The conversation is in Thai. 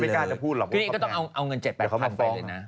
ก้อยนี้ก้อยก็ต้องเอาเงิน๗๘พันค่ะเลยนะ